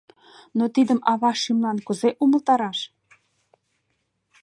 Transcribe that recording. Но тидым ава шӱмлан кузе умылтараш?